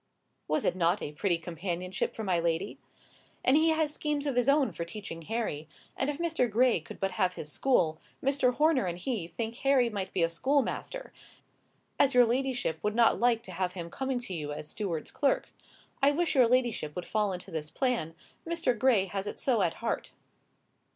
Was it not a pretty companionship for my lady? "And he has schemes of his own for teaching Harry; and if Mr. Gray could but have his school, Mr. Horner and he think Harry might be schoolmaster, as your ladyship would not like to have him coming to you as steward's clerk. I wish your ladyship would fall into this plan; Mr. Gray has it so at heart."